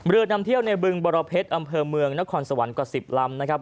เรือนำเที่ยวในบึงบรเพชรอำเภอเมืองนครสวรรค์กว่า๑๐ลำนะครับ